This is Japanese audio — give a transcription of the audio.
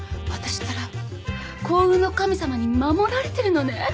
私ったら幸運の神様に守られてるのね。